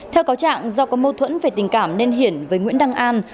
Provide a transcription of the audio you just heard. theo cáo trạng do có mâu thuẫn về tình cảm nên hiển với nguyễn đăng an